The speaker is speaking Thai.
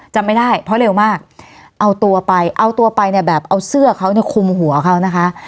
จำไม่ได้เพราะเร็วมากเอาตัวไปเอาตัวไปเนี่ยแบบเอาเสื้อเขาเนี่ยคุมหัวเขานะคะ